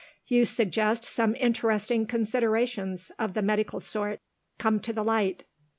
You suggest some interesting considerations, of the medical sort. Come to the light."